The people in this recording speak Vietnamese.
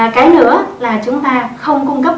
cái nữa là chúng ta không cung cấp